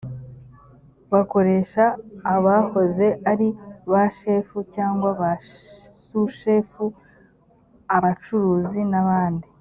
bakoresha abahoze ari bashefu cyangwa ba sushefu abacuruzi n’abandi